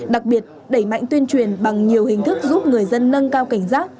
đặc biệt đẩy mạnh tuyên truyền bằng nhiều hình thức giúp người dân nâng cao cảnh giác